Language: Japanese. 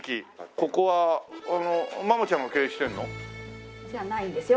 ここはママちゃんが経営してんの？じゃないんですよ。